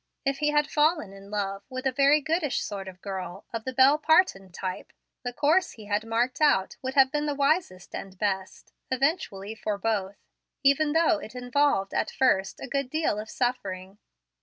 If he had fallen in love with a very goodish sort of girl of the Bel Parton type, the course he had marked out would have been the wisest and best, eventually, for both, even though it involved, at first, a good deal of suffering.